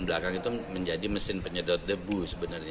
belakang itu menjadi mesin penyedot debu sebenarnya